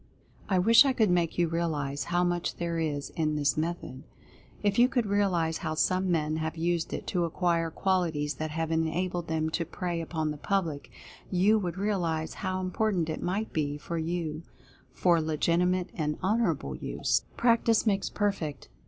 I wish I could make you realize how much there is in this method. If you could realize how some men have used it to acquire qualities that have enabled them to prey upon the public, you would realize how important it might be for you for legitimate and honorable use. PRACTICE MAKES PERFECT.